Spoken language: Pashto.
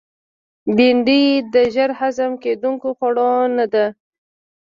بېنډۍ د ژر هضم کېدونکو خوړو نه ده